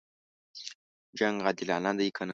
جنګ عادلانه دی کنه.